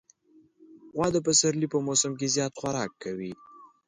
غوا د پسرلي په موسم کې زیات خوراک کوي.